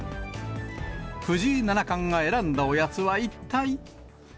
藤井七冠が選んだおやつは一体？